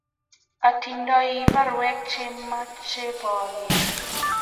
Atindoi barwek che meche ba ker